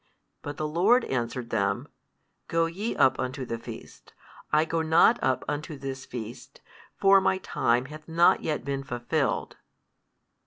But the Lord answered them, Go YE up unto the feast, I go not up unto this feast, for My time hath not yet been fulfilled.